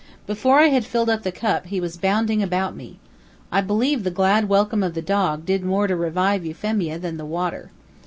Before I had filled the cup he was bounding about me. I believe the glad welcome of the dog did more to revive Euphemia than the water.